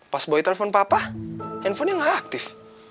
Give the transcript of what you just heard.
pas boy telepon papa handphonenya nggak aktif